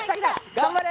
頑張れ！